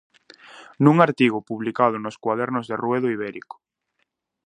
Nun artigo publicado nos Cuadernos de Ruedo Ibérico.